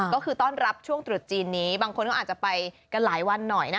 ก็คือต้อนรับช่วงตรุษจีนนี้บางคนก็อาจจะไปกันหลายวันหน่อยนะ